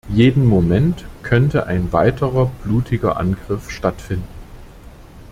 Jeden Moment könnte ein weiterer blutiger Angriff stattfinden.